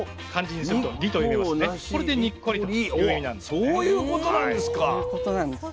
そういうことなんですか。